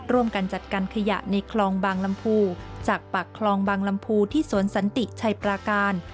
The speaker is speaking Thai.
ร่วมกันจัดการขยะในคลองบางลำพูจากปากคลองบางลำพูที่สวนสันติชัยปราการ